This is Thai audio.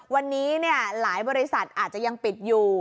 วันนี้หลายบริษัทอาจจะยังปิดอยู่